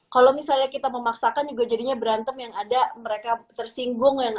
kalau misalnya kita memaksakan juga jadinya berantem yang ada mereka tersinggung